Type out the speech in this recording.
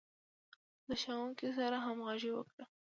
له ښوونکي سره همغږي وکړه.